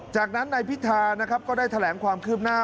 จากนั้นนายพิธานะครับก็ได้แถลงความคืบหน้า